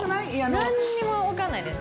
何にも分かんないです